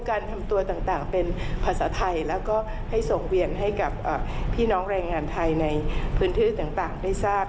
การทำตัวต่างเป็นภาษาไทยแล้วก็ให้ส่งเวียนให้กับพี่น้องแรงงานไทยในพื้นที่ต่างได้ทราบ